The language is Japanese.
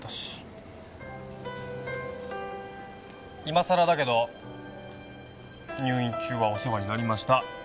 今さらだけど入院中はお世話になりました。